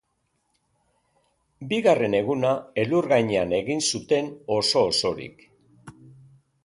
Bigarren eguna elur gainean egin zuten oso osorik.